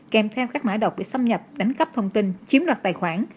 kèm theo các mã đọc bị xâm nhập đánh cấp thông tin chiếm đoạt tài khoản